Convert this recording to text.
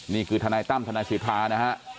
นี่คือธนายตั้มธนายศิษฐานะฮะ